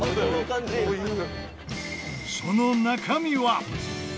その中身は？